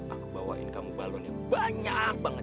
aku bawain kamu balon yang banyak banget